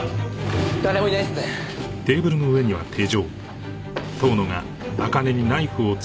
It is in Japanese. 誰もいないですね。